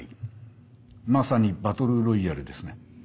まさにバトルロイヤルですね。